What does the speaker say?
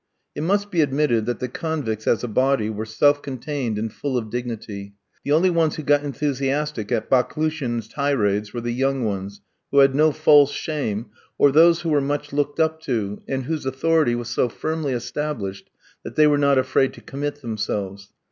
It must be admitted that the convicts, as a body, were self contained and full of dignity; the only ones who got enthusiastic at Baklouchin's tirades were the young ones, who had no false shame, or those who were much looked up to, and whose authority was so firmly established that they were not afraid to commit themselves.